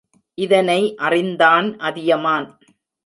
இதனை அறிந்தான் அதியமான்.